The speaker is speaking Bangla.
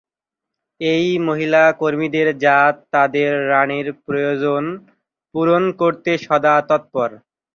এই মহিলা কর্মীদের জাত তাদের রাণীর প্রয়োজন পূরণ করতে সদা তৎপর।